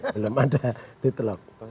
belum ada ditelok